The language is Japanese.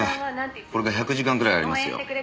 これが１００時間くらいありますよ。